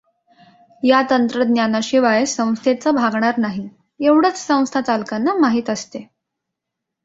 या तंत्रज्ञानाशिवाय संस्थेचं भागणार नाही, एवढंच संस्था चालकांना माहीत असते.